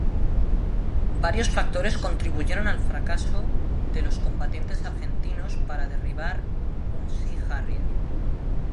Varios factores contribuyeron al fracaso de los combatientes argentinos para derribar un Sea Harrier.